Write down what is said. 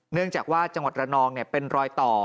เนื่องจากว่าจังหวัดระนองเป็นรอยต่อ